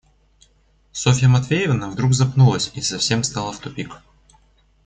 Софья Матвеевна вдруг запнулась и совсем стала в тупик.